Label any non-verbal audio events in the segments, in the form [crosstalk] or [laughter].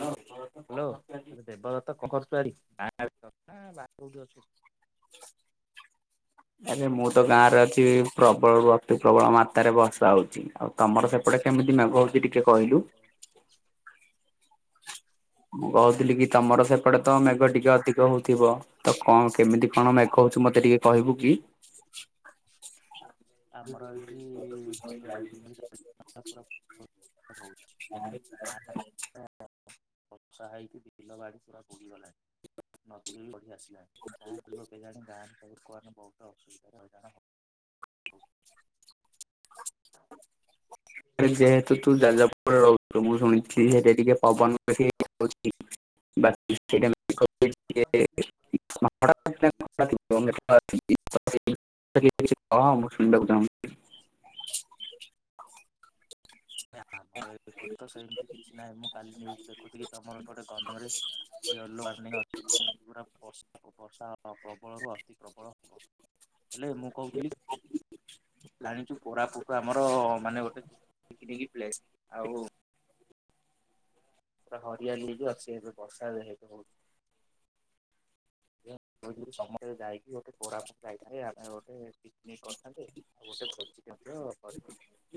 ହଁ ହ ହ୍ୟାଲୋ ଆରେ ଦେବ ଦତ୍ତ କଣ କରୁଛୁ [unintelligible] ଆଁ ବାହା କୋଉଠି ଅଛୁ? [inaudible] ଆରେ ମୁଁ ତ ଗାଁ ରେ ଅଛି ପ୍ରବଳରୁୁ ଅତି ପ୍ରବଳ ମାତ୍ରାରେ ବର୍ଷା ହଉଛି ଆଉ ତମର ସେପଟେ କେମିତି ମେଘ ହ ଏ ଟିକେ କହିଲୁ? ମୁଁ କହୁଥିଲି କି ତମର ସେପଟେ ତ ମେଘ ଟିକେ ଅଧିକ ହଉ ଥିବ ତ କଣ କେମିତି କଣ ମେକ କହୁଚୁ ମତେ ଟିକେ କହିବୁ କି? ଆମର ଏଇଠି ଗତ [unintelligible] ହଉଛି ତାପରେ [unintelligible] ବର୍ଷା ହେଇକି ବିଲ ବାଡି ପୁରା ବୁଡିଗଲାଣି ନଦୀ ବି ବଢି ଆସି ଗାଁ ଲୋକେ କେଜାଣି ଗାଁ ସବୁ ଲୋକ ବହୁତ ଅସୁବିଧାରେ ହଇରାଣ ହେ [inaudible] ହଁ ଯେହେତୁ ତୁ ଯାଜାପୁରରେ ରହୁ ଥିବୁ ମୁଁ ଶୁଣିଥିଲ ସେଇଟା ଟିକେ ପବନ [unintelligible] [unintelligible] [unintelligible] ମୁଁ ଶଣିିବାକୁ ଚାହୁଁନି ଆମର ଏପଟ ତ ସେମିତି କିଛି ନାହିଁ ମୁଁ କାଲି ନିୟୁଜ ଦେଖୁଛିି କି ତମର ଗୋଟେ ଗନ୍ଧରେ ଏଲୋ ୱାର୍ଣିଂ ଅଛି ଯେମିତି ପୁରା ବର୍ଷା ବର୍ଷା ପ୍ରବଳରୁ ଅତି ପ୍ରବଳ। ହବ ହେଲେ ମୁଁ କହୁଥିଲି ଜାଣିଛୁ କୋରାପୁଟ ଆମର ମାନେ ଗୋଟେ ଜି ପିକନିକ୍ ପ୍ଲେସ ଆଉ ପୁରା ହରିଆଲି ହେଇକି ଅଛି ଏବେ ବର୍ଷା ଏବେ ହେଇ ହଉ [unintelligible] ସମସ୍ତେ ଯାଇକି ଗୋଟେ କୋରାପୁଟ ଯାଇଥାନ୍ତେ ଆମେ ଗୋଟେ ପିକନିକ କରିଥାନ୍ତେ? ଆଉ ଗୋଟେ ଭୋଜି ଟେ ମ ହ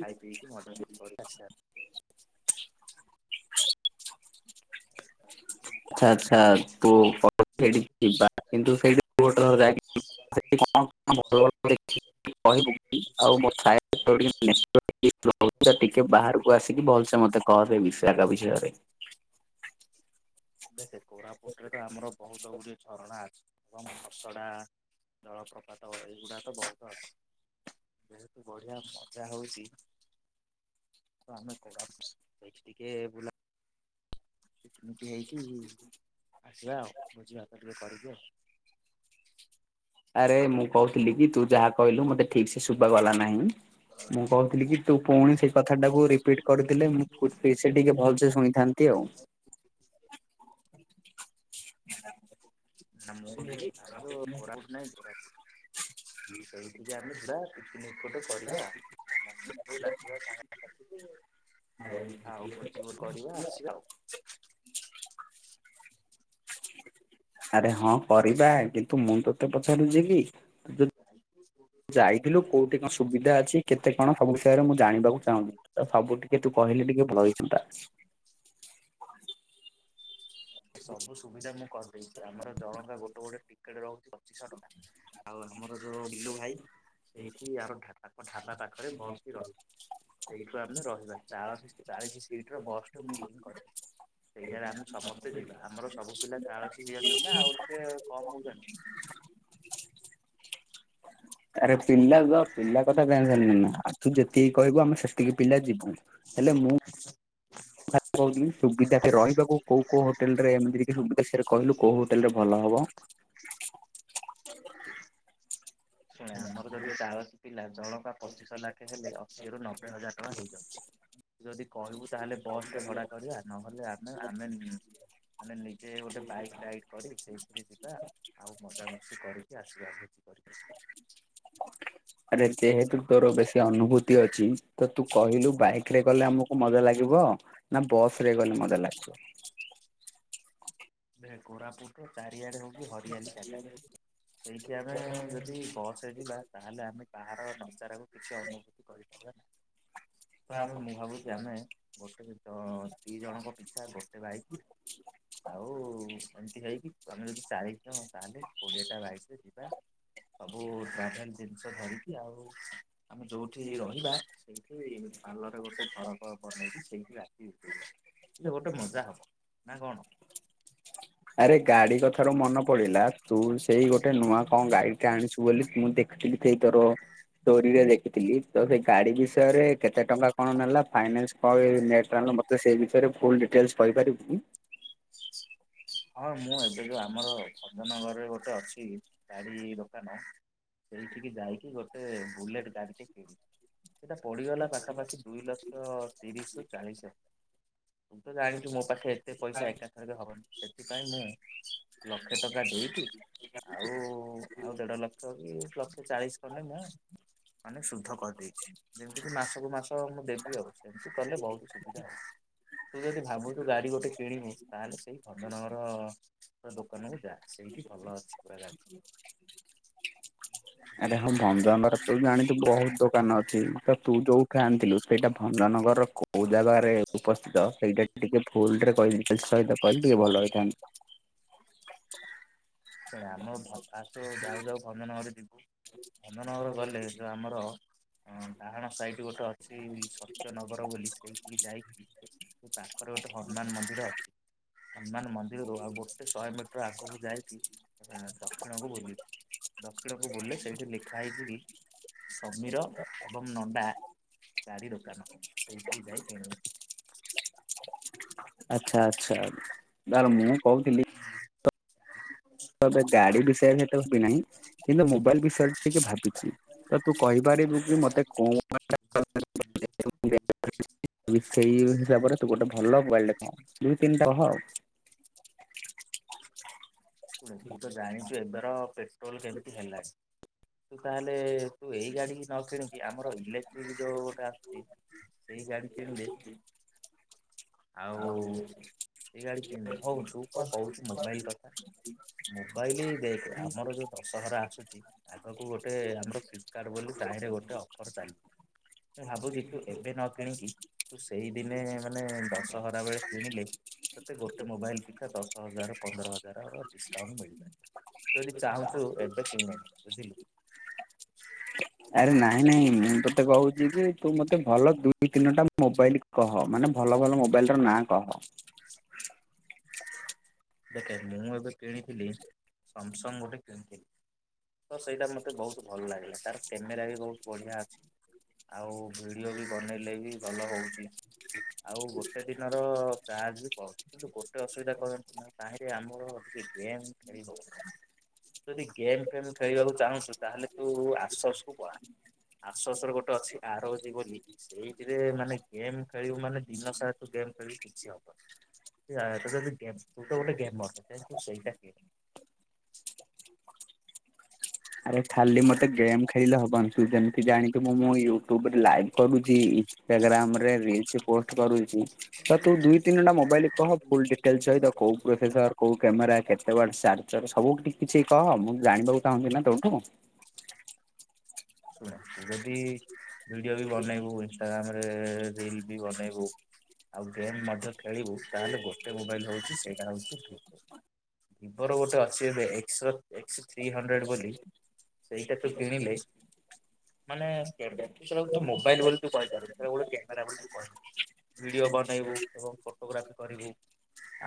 ଖାଇ ପିଇକି ମଜା ମସ୍ତି କରିକି ଆସିବା। ହ ଆଛା ଆଛା ତୁ [unintelligible] ଯିବା କିନ୍ତୁ ସେଇଠି [unintelligible] କଣ ଭଲ [unintelligible] କହିବୁକି ଆଉ ମୋ ଟିକେ [unintelligible] ବାହାରକୁ ଆସିକି ଭଲସେ ମତେ କହ ତୁ ବିଶାଖା ବିଷୟରେ? ଦେଖେ କୋରାପୁଟ୍ ରେ ତ ଆମର ବହୁତ ଗୁଡିଏ ଝରଣା ଅଛି। ଏବଂ ଖସଡା ଜଳପ୍ରପାତ ଏଇଗୁଡା ତ ବହୁତ ଅଛି। ଯେହେତୁ ବଢିଆ ମଜା ହଉଚି ତ ଆମେ କୋଡାପ୍ସ ଏଇଠି ଟିକେ ବୁଲା ପିକନିକ୍ ହେଇକି ଆସିବା ଆଉ। ଭୋଜି ଭାତ ଟିକେ କରିକି ଆଉ। ଆରେ ମୁଁ କହୁଥିଲି କି ତୁ, ଯାହା କହିଲୁ ମତେ ଠିକ୍ ସେ ଶୁଭା ଗଲା ନାହିଁ। ମୁଁ କହୁଥିଲି କି ତୁ, ପୁଣି ସେଇ କଥାଟାକୁ ରିପିଟ୍ କରିଦେଲେ ମୁଁ ଫୁଟ୍ ପିଚ୍ ଏ ଟିକେ ଭଲ୍ ସେ ଶୁଣିଥାନ୍ତି ଆଉ। [inaudible] ମୁଁ ଯିବି ଆମର କୋରାପୁଟ ନାଇଁ, କୋରାପୁଟ! ସେଇଠିକି ଆମେ ଯିବା ପିକ୍ ନିକ୍ ଗୋଟେ କରିବା, ସମସ୍ତଙ୍କୁ ଡାକିବା ସାଙ୍ଗ ସାଥିକି। ଆଉ ଭୋଜିି କରିବା ଆସିବା ଆଉ। ଆରେ ହଁ କରିବା, କିନ୍ତୁ ମୁଁ ତୋତେ ପଚାରୁଛି କି, ଯୋ- ଯାଇଥିଲୁ କୋଉଠି କଁ? ସୁବିଧା ଅଛି, କେତେ କଣ ସବୁ ବିଷୟରେ ମୁଁ ଜାଣିବାକୁ ଚାହୁଁଚି? ତ ସବୁ ଟିକେ ତୁ କହିଲେ ଟିକେ ଭଲ ହେଇଥାନ୍ତା। ସବୁ ସୁବିଧା ମୁଁ କରିଦେଇଚି। ଆମର ଜଣଙ୍କା ଗୋଟେ ଗୋଟେ ଟିକେଟ୍ ରହୁଚି, ପଚିଶହ ଟଙ୍କା। ଆଉ ଆମର ଯୋଉ ମିଲୁ ଭାଇ, ସେଇଠି ଆର ଢା-ଢାବା ପାଖରେ ବସ୍ ଟି ରହିବ। ସେଇଠୁ ଆମେ ରହିବା, ଚାଳ-ଚାଳିଶି ସିଟ୍ ରେ ବସ୍ ଟେ ବୁକିଂ କରିଚି। ସେଇଟାରେ ଆମେ ସମସ୍ତେ ଯିବା ଆମର ସବୁ ପିଲା ଚାଳଶି ହେଇଯାଉଚନ୍ତି ନା, ଆଉ ଟିକେ କମ୍ ହଉଚନି? ଆରେ ପିଲା କ ପିଲା କଥା ଜାଣିପାରୁନୁ ନା, ଆରେ ତୁ ଯେତିକି କହିବୁ ଆମେ ସେତିକି ପିଲା ଯିବୁ। [inaudible] ଖାଲି କହୁଛନ୍ତି, ସୁବିଧାଟେ ରହିବାକୁ କୋଉ କୋଉ ହୋଟେଲ୍ ରେ ଏମିତି [inaudible] କହିଲୁ କୋଉ ହୋଟେଲ ରେ ଭଲ ହବ? ଆମର ଯଦି ଚାଳ ପିଲା ଜଣଙ୍କା ପଚିଶହ ଲାଖେ ହେଲେ, ଅଶୀରୁ ନବେ ହଜାର ଟଙ୍କା ହେଇଯାଉଛି। ତୁ ଯଦି କହିବୁ ତା, ହେଲେ ବସ୍ ଟେ ଭଡା କରିଆ, ନହେଲେ ଆମେ ଆମେନ୍ ମାନେ ନିଜେ ଗୋଟେ ବାଇକ୍ ରାଇଡ୍ କରି, ସେଇଥିରେ ଯିବା। ଆଉ ମଜାମସ୍ତି କରିକି ଆସିଆ ଭୋଜି କରିକି। ଆରେ ଯେହେତୁ ତୋର ବେଶୀ ଅନୁଭୂତି ଅଛି। ତ ତୁ କହିଲୁ ବାଇକ୍ ରେ ଗଲେ ଆମକୁ ମଜା ଲାଗିବ। ନା ବସ୍ ରେ ଗଲେ ମଜା ଲାଗିବ? କୋରାପୁଟ୍ ର ଚାରିଆଡେ ହଉଚି ହରିଆଲି ଜାଗା। ସେଇଠି ଆମେ ଯଦି ବସ୍ ସେଇଠିବା, ତାହେଲେ ଆମେ କାହାର ନଜାରାକୁ କିଛି ଅନୁଭୂତି କରିପାରିବା ନାହିଁ। ତ ଆମେ ମୁଁ ଭାବୁଛି, ଆମେ ଗୋଟେ ତ ଦି ଜଣଙ୍କ ପିଛା ଗୋଟେ ବାଇକ୍ ଆଉ ଏମିତି ହେଇକି ଆମେ ଯଦି ଚାଳିଶି ଜଣ, ତା ହେଲେ କୋଡିଏ ଟା ବାଇକ୍ ରେ ଯିବା। ସବୁ ଟ୍ରାଭେଲ୍ ଜିନିଷ ଧରିକି ଆଉ ଆମେ ଯୋଉଠି ରହିବା, ସେଇ ଏଇ ପାଲ ରେ ଗୋଟେ ସଡ଼କ ବନେଇକି ସେଇଟି ରାତି ବିତେଇ ଲେ, ହେଲେ ଗୋଟେ ମଜା ହବ। ନା କଣ? ଆରେ, ଗାଡି କଥାରୁ ମନେ ପଡିଲା, ତୁ ସେଇ ଗୋଟେ ନୂଆ କଣ ଗାଡି ଆଣିଛୁ ବୋଲି ମୁଁ ଦେଖିଥିଲି, ସେଇ ତୋର ଷ୍ଟୋରିରେ ଦେଖିଥିଲି ତ ସେ ଗାଡି ବିଷୟରେ କେତେ ଟଙ୍କା କଣ ନେଲା, ଫାଇନାନ୍ସ କଣ ନେଟ୍ ଆଣିଲ, ମତେ ସେ ବିଷୟରେ ଫୁଲ୍ ଡିଟେଲ୍ସ କହିପାରିବୁ କି? ହଁ, ମୁଁ ଏବେ ଯଉ ଆମର ଭଞ୍ଜନଗରରେ ଗୋଟେ ଅଛି, ଗାଡି ଦୋକାନ। ସେଇଠିକି ଯାଇକି ଗୋଟେ ବୁଲେଟ୍ ଗାଡିଟେ କିଣିଚି। ସେଇଟା ପଡିଗଲା ପାଖାପାଖି ଦୁଇ ଲକ୍ଷ ତିରିଶି ରୁ ଚାଳିଶି ହ ତୁ ତ ଜାଣିଚୁ ମୋ ପାଖରେ ଏତେ ପଇସା ଏକାଥରକେ ହବନି। ସେଥିପାଇଁ ମୁଁ ଲକ୍ଷେ ଟଙ୍କା ଦେଇକି ଆଉ, ଆଉ ଦେଢ ଲକ୍ଷ କି ଲକ୍ଷ ଚାଳିଶି ଖଣ୍ଡେ ମୁଁ ମାନେ ସୁଧ କରିଦେଇଚି। ଯେମିତି କି ମାସକୁୁ ମାସ ମୁଁ ଦେବି ଆଉ। ସେମିତି କଲେ ବହୁତ୍ ସୁବିଧା ଆଉ। ତୁ ଯଦି ଭାବୁଚୁ ଗାଡି ଗୋଟେ କିଣିବୁ ତାହେଲେ ସେଇ ଭଞ୍ଜନଗର ଦୋକାନ କୁ ଯାଆ। ସେଇଟି ଭଲ ଅଛି ପୁରା ଗାଡି। ଆରେ ହଁ ଭଞ୍ଜନଗର ରେ ତୁ ଜାଣିଚୁ ବହୁତ୍ ଦୋକାନ ଅଛି। ତ ତୁ ଯୋଉଠୁ ଆଣିଥିଲୁ ସେଇଟା ଭଞ୍ଜନଗର ର କୋଉ ଜାଗାରେ ଉପସ୍ଥିତ ସେଇଟା ଟିକେ ଫୁଲ୍ ରେ [unintelligible] କହିଲେ ଟିକେ ଭଲ ହେଇଥାନ୍ତା। ଆମର ଫାଷ୍ଟ ରୁ ଯାଉ ଯାଉ ଭଞ୍ଜନଗର ଯିବୁ। ଭଞ୍ଜନଗର ଗଲେ ଯୋଉ ଆମର ଡାହାଣ ସାଇଟ୍ ଗୋଟେ ଅ ଅଛି ସତ୍ୟନଗର ବୋଲି, ସେଇଠିକି ଯାଇକି ସେ ପାଖରେ ଗୋଟେ ହନୁମାନ୍ ମନ୍ଦିର ଅଛି। ହନୁମାନ ମନ୍ଦିରରୁ ଆଉ ଗୋଟେ ଶହେ ମିଟର ଆଗକୁ ଯାଇକି ଆଁ ଦକ୍ଷିଣକୁ ବୁଲିବୁ, ଦକ୍ଷିଣକୁ ବୁଲିଲେ ସେଇଠି ଲେଖା ହେଇଚି ସମୀର ଏବଂ ନଣ୍ଡା ଗାଡି ଦୋକାନ। ସେଇଠିକି ଯାଇ କିଣିବୁ। ଆଚ୍ଛା ଆଚ୍ଛା। ତାହେଲେ ମୁଁ କହୁଥିଲି ତାପରେ ଗାଡି ବିଷୟରେ [unintelligible] ନାହିଁ। କିନ୍ତୁ ମୋବାଇଲ ବିଷୟରେ ଟିକେ ଭାବିଚି। ତ ତୁ କହିପାରିବୁ କି ମୋତେ କୋଉ [unintelligible] [inaudible] [unintelligible] ସେଇ ହିସାବରେ ତୁ ଗୋଟେ ଭଲ ମୋବାଇଲ ଟେ କହ। ଦୁଇ ତିନି। [unintelligible] ଶୁଣେ ତୁ ତ ଜାଣିଚୁ ଏବେର ପେଟ୍ରୋଲ କେମିତି ହେଲାଣି। ତୁ ତାହେଲେ ତୁ ଏଇ ଗାଡିକି ନ କିଣିକି ଆମର ଇଲେକ୍ଟ୍ରିକ୍ ଯୋଉ ଗୋଟେ ଆସୁଚି ସେଇ ଗାଡି କିଣିଦେ। ଆଉ ସେଇ ଗାଡି କିଣିଦେ। ହଉ ତୁ କଣ କହୁଚୁ ମୁଁ ମୋବାଇଲ କଥା। ମୋବାଇଲ ଦେଖ ଆମର ଯୋଉ ଦଶହରା ଆସୁଚି ଆଗକୁ ଗୋଟେ ଆମର ଫ୍ଲିପକାର୍ଟ ବୋଲି ତାହିଁରେ ଗୋଟେ ଅଫର ଚାଲିବ। ମୁଁ ଭାବୁଚି ତୁ ଏବେ ନ କିଣିକି ତୁ ସେଇ ଦିନେ ମାନେ ଦଶହରା ବେଳେ କିଣିଲେ ତତେ ଗୋଟେ ମୋବାଇଲ ପିଛା ଦଶ ହଜାର ପନ୍ଦର ହଜାର ଡିସକାଉଣ୍ଟ ମିଳିପାରେ। ତୁ ଯଦି ଚାହୁଁଚୁ ଏବେ କିଣି ନେ ବୁଝିଲୁ। ଆରେ ନା ନାଇଁ ନାଇଁ ମୁଁ ତୋତେ କହୁଚି କି ତୁ ମୋତେ ଭଲ ଦୁଇ ତିନଟା ମୋବାଇଲ କହ। ମାନେ ଭଲ ଭଲ ମୋବାଇଲ ର ନାଁ କହ। ଦେଖେ ମୁଁ ଏବେ କିଣିଥିଲି ସ୍ୟାମସଙ୍ଗ ଗୋଟେ କିଣିଥିଲି। ତ ସେଇଟା ମତେ ବହୁତ ଭଲ ଲାଗିଲା। ତାର କ୍ୟାମେରା ବି ବହୁତ ବଢିଆ ଅଛି। ଆଉ ଭିଡ଼ିଓ ବି ବନେଇଲେ ବି ଭଲ ହଉଚି। ଆଉ ଗୋଟେ ଦିନର ଚାର୍ଜ ବି ପଳଉଚି। କିନ୍ତୁ ଗୋ ଗୋଟେ ଅସୁବିଧା କଣ ଜାଣିଚୁ ନା ତାହିଁ ରେ ଆମର ଯିଏ ଗେମ୍ ଖେଳିବ ଯଦି ଗେମ୍ ଫେମ୍ ଖେଳିବାକୁ ଚାହୁଁଚୁ ତାହେଲେ ତୁ ଆଶର୍ସକୁୁ ପଳା। ଆସୋର୍ଷ ରେ ଗୋଟେ ଅଛି ଆରଜି ବୋଲି ସେଇଥିରେ ମାନେ ଗେମ୍ ଖେଳିବୁ ମାନେ ଦିନ ସାରା ତୁ ଗେମ୍ ଖେଳିବୁ କିଛି ହବନି। [unintelligible] ତୁ ତ ଗୋଟେ ଗେମର୍। ସେଥିପାଇଁ ତୁ ସେଇଟା ଖେଲ୍। ଆରେ ଖାଲି ମତେ ଗେମ୍ ଖେଳିଲେ ହବନି। ତୁ ଯେମତି ଜାଣିଚୁ ମୁଁ ମୋ ୟୁଟ୍ୟୁବରେ ଲାଇଭ କରୁଛି। ଇନଷ୍ଟାଗ୍ରାମରେ ରିଲ୍ସ ପୋଷ୍ଟ କରୁଚି। ତ ଶୁଣ ତୁ ଦୁଇ ତିନିଟା ମୋବାଇଲ୍ କହ, ଫୁଲ୍ ଡିଟେଲ ସହିତ କୋଉ ପ୍ରସେସର କୋଉ କ୍ୟାମେରା କେତେ ୱାଟ ଚାର୍ଜର ସବୁ ଟି କିଛି କହ। ମୁଁ ଜାଣିବାକୁ ଚାହୁଁଚି ନା ତୋଠୁ। ଶୁଣ ଯଦି ଭିଡିଓ ବି ବନେଇବୁ ଇନଷ୍ଟାଗ୍ରାମରେ। ଏ ରିଲ ବି ବନେଇବୁ। ଆଉ ଗେମ୍ ମଧ୍ୟ ଖେଳିବୁ ତାହେଲେ ଗୋଟେ ମୋବାଇଲ ହଉଛି ସେଇଟା ହଉଛି ମୋର ଗୋଟେ ଅଛି ଏବେ ଏକ୍ସ ର ଏକ୍ସ ଥ୍ରୀ ହଣ୍ଡ୍ରେଡ ବୋଲି ସେଇଟା ତୁ କିଣିଲେ ମାନେ [unintelligible] ତୁ ମୋବାଇଲ ବୋଲି ତୁ କହିପାରିବୁନି ସେଟା ଗୋଟେ କ୍ୟାମେରା ବୋଲି ତୁ କହିବୁ। ଭିଡିଓ ବନେଇବୁ ଏବଂ ଫଟୋଗ୍ରାଫି କରିବୁ।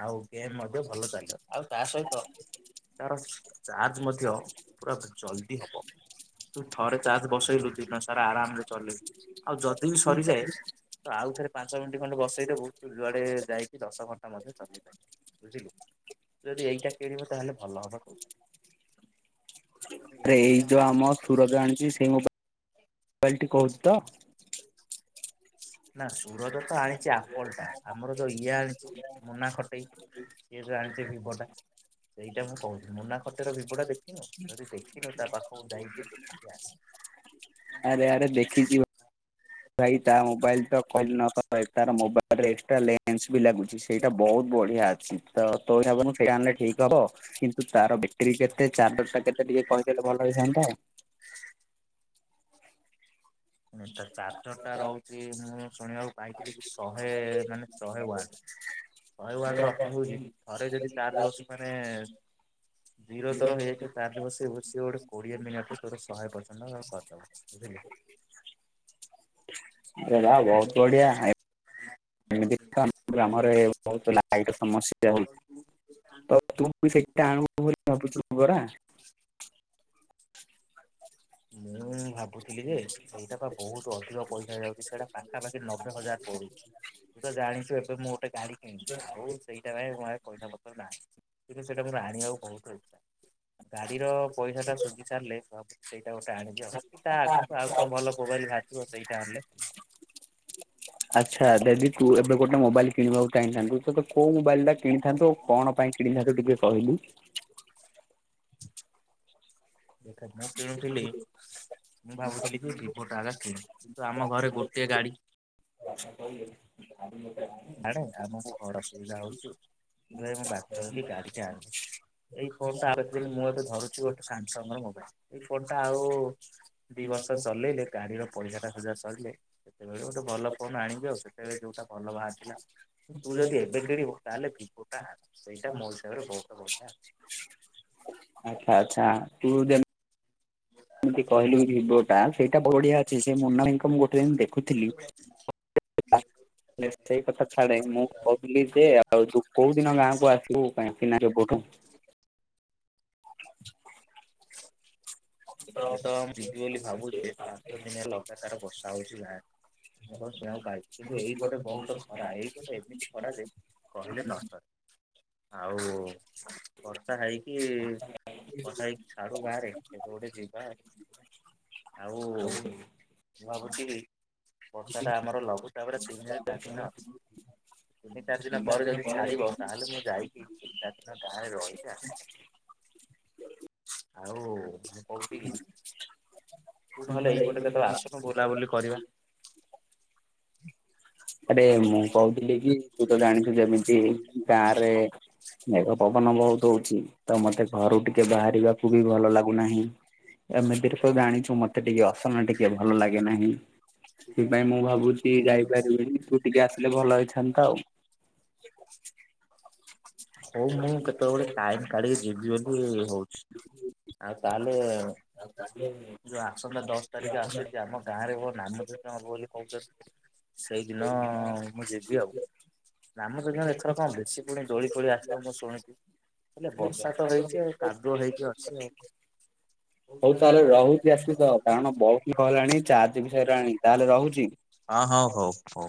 ଆଉ ଗେମ୍ ମଧ୍ୟ ଭଲ ଚାଲିବ ଆଉ ତା ସହିତ ତାର ଚାର୍ଜ ମଧ୍ୟ ପୁରା ଜଲଦି ହବ। ତୁ ଥରେ ଚାର୍ଜ ବସେଇଲୁ ଦିନ ସାରା ଆରାମରେ ଚଲେଇବୁ। ଆଉ ଯଦି ବି ସରିଯାଏ ତ ଆଉ ଥରେ ପାଞ୍ଚ ମିନିଟ ଖଣ୍ଡେ ବସେଇ ଦେବୁ ତୁ ଯୁଆଡେ ଯାଇକି ଦଶ ଘଣ୍ଟା ମଧ୍ୟ ଚାଲିଯାଏ। ବୁଝିଲୁ ଯଦି ଏଇଟା କିଣବୁ ତାହେଲେ ଭଲ ହବ କହୁ ଆରେ ଏଇ ଯୋଉ ଆମ [unintelligible] ସୁରଜ ଆଣିଛି ସେଇ ମୋବାଇ ମୋବାଇଲଟି କହୁଛୁ ତ? ନା ସୁରଜ ତ ଆଣିଛି ଆପଲ ଟା ଆମର ଯୋଉ ଇଏ ଆଣିଛି ମୁନା ଖଟେଇ। ସେଏ ଯୋଉ ଆଣିଛି ଭିବୋ ଟା ସେଇଟା ମୁଁ କହୁଛିି। ମୁନା ଖଟେଇ ଭିଭୋଟା ଦେଖିନୁ ଯଦି ଦେଖିନୁ ତା ପାଖକୁ ଯାଇକି ଦେଖି ଆସ। ଆରେ ଆରେ ଦେଖିଛି ଭାଇ ତା ମୋବାଇଲ ତ କହିଲ [unintelligible] ତାର ମୋବାଇଲରେ ଏକ୍ସଟ୍ରା ଲେନ୍ସ ବି ଲାଗୁଛି। ସେଇଟା ବହୁତ ବଢିଆ ଅଛି। ତ [unintelligible] ଆଣିଲେ ଠିକ ହବ। କିନ୍ତୁ ତାର ବେଟିରୀ କେତେ ଚାର୍ଜର ଟା କେତେ ଟିକେ କହିଦେଲେ ଭଲ ହେଇଥାନ୍ତା ଆଉ। ତା ଚାର୍ଜର ଟା ରହୁଛି ମୁଁ ଶୁଣିବାକୁ ପାଇକିରି ବି ଶହେ ମାନେ ଶହେ ୱାଟ। ଶହେ ୱାଟ ର ଅର୍ଥ ହେଉଛି ଥରେ ଯଦି ଚାର୍ଜ ବସ ମାନେ ଜିରୋ ଧର ହେଇଯାଇଥିବ ଚାର୍ଜ ବାସେଇବୁ ସିଏ ଗୋଟେ କୋଡିଏ ମିନିଟରେ ତୋର ଶହେ ପରସେଣ୍ଡ ସରିଦବ ବୁଝିଲୁ। ଆରେ ବା ବହୁତ ବଢିଆ ହେ [unintelligible] ତୁ ସେଟା ଆଣୁ ବୋଲି ଭାବୁଛୁ ପରା। ମୁଁ ଭାବୁଥିଲି ଯେ ସେଇଟା ବା ବହୁତ ଅଧିକ ପଇସା ହେଇଯାଉଛି ସେଇଟା ପାଖାପାଖି ନବେ ହଜାର ପଡୁଚି ତୁ ତ ଜାଣିଚୁ ଏବେ ମୁଁ ଗୋଟେ ଗାଡି କିଣି ଆଉ ସେଇଟା ପାଇଁ ମୋ ପାଖରେ ପଇସା ପତ୍ର ନାହିଁ କିନ୍ତୁ ସେଇଟା ମୋର ଆଣିବାକୁ ବହୁତ ଇଛା। ଗାଡ଼ିର ପଇସା ଟା ସୁଯି ସାରିଲେ ଭାବୁଚି ସେଇଟା ଗୋଟେ ଆଣିବି। ଅଛି ତା ଆଗକୁ ଆଉ କଣ ଭଲ ମୋବାଇଲ ବାଜିବ ସେଇଟା ଆଣିଲେ ଆଚ୍ଛା ଦେଦି ତୁ ଏବେ ଗୋଟେ ମୋବାଇଲ କିଣିବାକୁ ଚାହିଁଥାନ୍ତୁ ତ ତୁ କୋଉ ମୋବାଇଲ ଟା କିଣିଥାନ୍ତୁ ଆଉ କଣ ପାଇଁ କିଣିଥାନ୍ତୁ ଟିକେ କହିଲୁ। ଦେଖ ମୁଁ କିଣୁଥିଲି ମୁଁ ଭାବୁଥିଲି ଯେ ଭିଭୋ ଟା ଆଗ କିଣିବି କିନ୍ତୁ ଆମ ଘରେ ଗୋଟେ ଗାଡି। [unintelligible] ମାନେ ଆମକୁ ବଡ ଅସୁବିଧା ହଉଚି ସେଥିପାଇଁ ମୁଁ ବାଧ୍ୟ ହେଉଛି ଗାଡି ଟେ ଆଣିଲି। ଏଇ ଫୋନ୍ ଟା ଆଉ କେତେଦିନ ମୁଁ ଏବେ ଧରୁଛି ଗୋଟେ ସାମସଙ୍ଗ ର ମୋବାଇଲ। ଏଇ ଫୋନ ଟା ଆଉ ଦି ବର୍ଷ ଚଲେଇଲେ ଗାଡିର ପଇସାଟା ଶୁଜା ସରିଲେ ସେତେବେଳେ ଗୋଟେ ଭଲ ଫୋନ ଆଣିବି ଆଉ। ସେତେବେଳେ ଯୋଉଟା ବ ହେଲା ତୁ ଯଦି ଏବେ କିଣିବୁ ତାହେଲେ ବିବୋ ଟା ଆଣେ ସେଇଟା ମୋ ବହୁତ ବର୍ଷା ଅଛି। ଆଚ୍ଛା ଆଚ୍ଛା। ତୁ ଯେମି ଯେମିତି କହିଲୁ [unintelligible] ସେଇଟା ବଢିଆ ଅଛି। ସେ ମୁନା ଭାଇଙ୍କୁ ମୁଁ ଗୋଟେ ଦିନ ଦେଖୁଥିଲି- ସେଇ କଥା ଛାଡେ। ମୁଁ କହୁଥିଲି ଯେ ଆଉ ତୁ କୋଉ ଦିନ ଗାଁ କୁ ଆସିବୁ? କାହିଁକି ନା ଏବେଠୁ [inaudible] [inaudible] [inaudible] ଏବେ ତ ମୁଁ ଯିବି ବୋଲି ଭାବୁଚି। ପାଞ୍ଚ ଦିନ ଲଗାତାର ବର୍ଷା ହଉଚି ଗାଁ ରେ ମୁ କଣ ଶୁଣିବାକୁ ପାଇଛି। କିନ୍ତୁ ଏଇପଟେ ବହୁତ ଖରା। ଏଇ ପଟେ ଏମିତି ଖରା ଯେ କହିଲେ ନସରେ। ଆଉ ବର୍ଷା ହେଇକି ବର୍ଷା ହେଇକି ଛାଡୁ ଗାଁ ରେ। କେବେ ଗୋଟେ ଯିବା। ଆଉ ମୁଁ ଭାବୁଛି ବର୍ଷା ଟା ଆମର ଲଘୁ ଚାପରେ ତିନ ରୁ ଦିନ ଚାରି ଦିନ। ତିନି, ଚାରି ଦିନ ପରେ ଯଦି ଛାଡିବ ତାହେଲେ ମୁଁ ଯାଇକି ତିନି, ଚାରି ଦିନ ଗାଁରେ ରହିକି ଆସିପାରିବି। ଆଉ ମୁଁ କହୁଥିଲି ତୁ ନହେଲେ ଏଇପଟେ କେତେବେଳେ ଆସୁନୁ ବୁଲାବୁଲି କରିବା। ଆରେ ମୁଁ କହୁଥିଲି କି ତୁ ତ ଜାଣିଛୁ ଯେମିତି ଗାଁରେ ମେଘ ପବନ ବହୁତ ହଉଚି। ତ ମତେ ଘରୁ ଟିକେ ବାହାରିବାକୁ ବି ଭଲ ଲାଗୁନାହିଁ। ଏମିତିରେ ତୁ ଜାଣିଚୁ ମତେ ଟିକେ ଅସନା ଟିକେ ଭଲ ଲାଗେ ନାହିଁ। ସେଥିପାଇଁ ମୁଁ ଭାବୁଚି ଯାଇ ପାରିବିନି ତୁ ଟିକେ ଆସିଲେ ଭଲ ହେଇଥାନ୍ତା ଆଉ। ହଉ ମୁଁ କେତେବେଳେ ଗୋଟେ ଟାଇମ କାଢି଼ କି ଯିବି ବୋଲି ହଉଚି। [inaudible] ଆଉ ତାହେଲେ ଆଉ ତାହେଲେ ଯୋଉ ଆସନ୍ତା ଦଶ ତାରିଖ ଆସୁଛି, ଆମ ଗାଁରେ ନାମ କୀର୍ତ୍ତନ ହବ ବୋଲି କହୁଛନ୍ତି। ସେଇଦିନ ମୁଁ ଯିବି ଆଉ। ନାମଯଜ୍ଞ ଏଥର କଣ ବେଶୀ ପୁଳାଏ ଦୋଳି ଫୋଳି ଆ ସିବ ମୁଁ ଶୁଣିଛି, ହେଲେ ବର୍ଷା ତ ହେଇଛି କାଦୁଅ ହେଇକି ଅଛି ଆଉ। ହଉ ତାହେଲେ ରହୁଛି [unintelligible] ଚାର୍ଜ ବି ସଇଲାଣି। ତାହେଲେ ରହୁଛି? ହଁ, ହଁ ହଉ ହଉ।